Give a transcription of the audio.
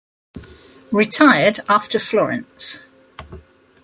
Retired after Florence.